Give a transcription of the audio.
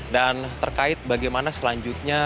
dan terkait bagaimana selanjutnya